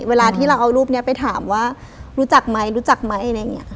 เวลาที่เราเอารูปนี้ไปถามว่ารู้จักไหมรู้จักไหม